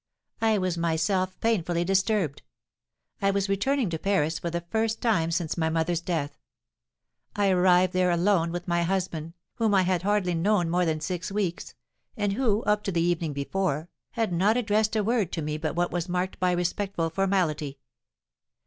I was myself painfully disturbed; I was returning to Paris for the first time since my mother's death; I arrived there alone with my husband, whom I had hardly known more than six weeks, and who, up to the evening before, had not addressed a word to me but what was marked by respectful formality.